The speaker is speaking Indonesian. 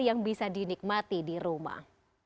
yang bisa dinikmati di rumah